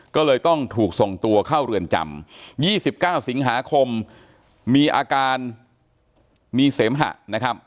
ก็เลยต้องถูกส่งตัวเข้าเรือนจำ๒๙สิงหาคมมีอาการมีเสมหะนะครับ